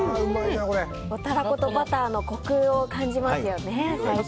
タラコとバターのコクを感じますよね。